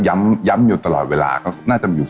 ส่วนความเพียงเราก็ถูกพูดอยู่ตลอดเวลาในเรื่องของความพอเพียง